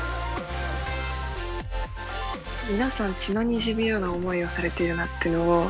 皆さん血のにじむような思いをされているなっていうのを。